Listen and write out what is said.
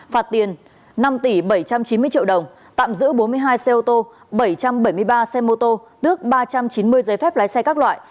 phạt tiền năm tỷ bảy trăm chín mươi triệu đồng tạm giữ bốn mươi hai xe ô tô bảy trăm bảy mươi ba xe mô tô tước ba trăm chín mươi giấy phép lái xe các loại